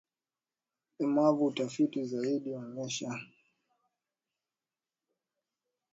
au ulemavu Utafiti zaidi ulionyesha kuwa wastani wa kiwango cha mafuta moyoni ulikuwa asilimia